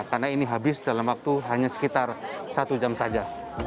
karena ini habis dalam waktu hanya sekitar satu jam saja